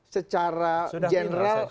secara general sudah min